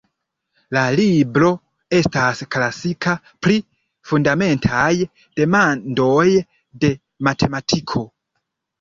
La libro estas klasika pri fundamentaj demandoj de matematiko.